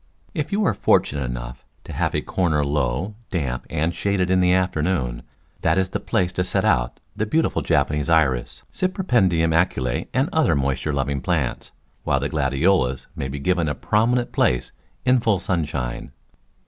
If you are fortunate enough to have a corner low, damp and shaded in the afternoon, that is the place to set out the beautiful Japanese Iris, Cypripedium acaule and other moisture loving plants, while the Gladiolus may be given a prominent place in full sunshine.